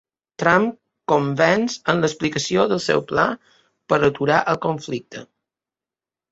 Trump convenç en l'explicació del seu pla per aturar el conflicte